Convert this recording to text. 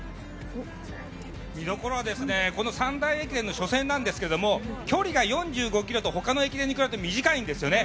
見どころはこの三大駅伝の初戦なんですが距離が４５ｋｍと他の駅伝に比べて短いんですよね。